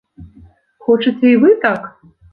Хочаце і вы так?